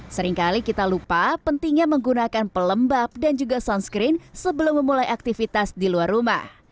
seringkali kita lupa pentingnya menggunakan pelembab dan juga sunscreen sebelum memulai aktivitas di luar rumah